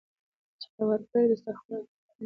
چې هوار کړي دسترخوان راته په مینه